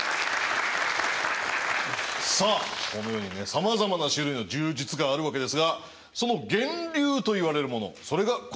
さあこのようにねさまざまな種類の柔術があるわけですがその源流といわれるものそれがこちらです。